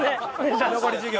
居残り授業。